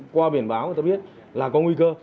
qua biển báo người ta biết là có nguy cơ